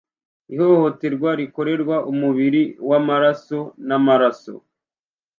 Ihohoterwa rikorerwa umubiri wamaraso namaraso